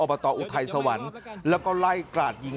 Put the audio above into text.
บตออุทัยสวรรค์แล้วก็ไล่กราดยิง